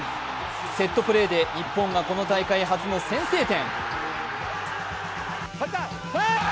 セットプレーで日本がこの大会初の先制点。